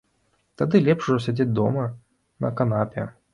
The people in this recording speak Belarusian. Тады лепш ужо сядзець дома на канапе.